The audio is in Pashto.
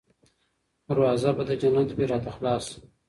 دروازه به د جنت وي راته خلاصه